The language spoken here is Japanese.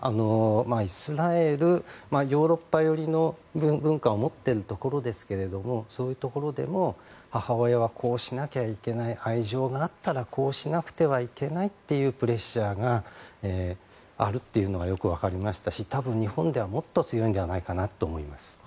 イスラエル、ヨーロッパ寄りの文化を持っているところですけどそういうところでも母親はこうしなきゃいけない愛情があったらこうしなくてはいけないっていうプレッシャーがあるというのがよく分かりましたし多分、日本ではもっと強いと思います。